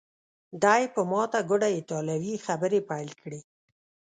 دی په ماته ګوډه ایټالوي خبرې پیل کړې.